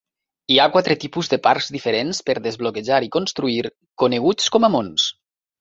Hi ha quatre tipus de parcs diferents per desbloquejar i construir, coneguts com a mons.